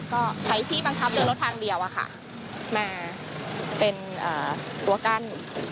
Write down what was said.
ก็ใช้ที่บังคับเดินรถทางเดียวอะค่ะมาเป็นตัวกั้น